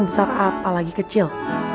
pagi rara yucin